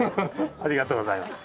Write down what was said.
ありがとうございます。